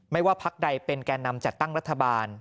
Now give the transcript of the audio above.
ว่าพักใดเป็นแก่นำจัดตั้งรัฐบาล